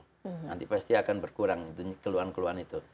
nanti pasti akan berkurang keluhan keluhan itu